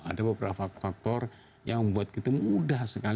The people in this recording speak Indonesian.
ada beberapa faktor yang membuat kita menjadi begitu emosional